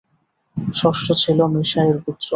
ষষ্ঠ ছিল মীশা-এর গোত্র।